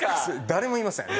誰もいません。